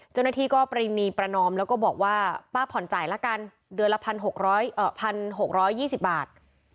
เจ้าหน้าที่ก็ปริณีประนอมแล้วก็บอกว่าป้าผ่อนจ่ายละกันเดือนละ๑๖๒๐บาท